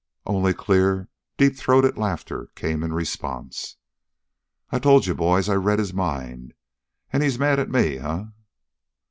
Only clear, deep throated laughter came in response. "I told you, boys. I read his mind, and he's mad at me, eh?"